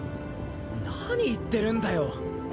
なに言ってるんだよ！